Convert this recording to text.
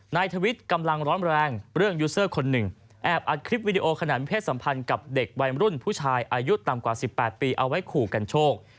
นายทวิทย์กำลังร้อนแรงเรื่องยูเซอร์คนหนึ่งแอบอัดคลิปวิดีโอขนาดเพศสัมพันธ์กับเด็กวัยรุ่นผู้ชายอายุต่ำกว่า๑๘ปีเอาไว้ขู่กันโชค